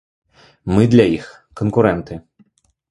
Мы для іх канкурэнты.